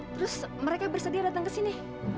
terus mereka bersedia datang kesini